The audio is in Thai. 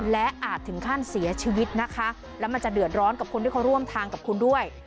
และมันจะเดือดร้อนกับคนที่เขาร่วมทางกับคุณด้วย